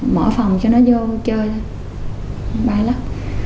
mở phòng cho nó vô chơi bay lắc